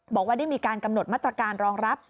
บอกว่าได้มีการกำหนดมาตรการรองรับ